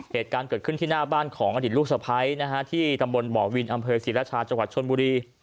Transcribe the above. เหตุการณ์เกิดขึ้นที่หน้าบ้านของอดีตลูกสะพ้ายนะฮะที่ตำบลบ่อวินอำเภอศรีราชาจังหวัดชนบุรี